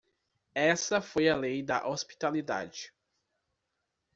Essa foi a lei da hospitalidade.